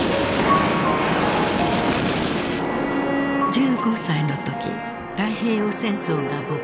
１５歳の時太平洋戦争が勃発。